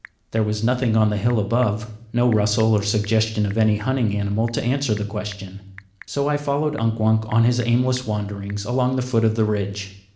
There was nothing on the hill above, no rustle or suggestion of any hunting animal to answer the question; so I followed Unk Wunk on his aimless wanderings along the foot of the ridge.